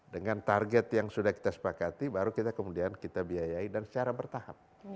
dengan target yang sudah kita sepakati baru kita kemudian kita biayai dan secara bertahap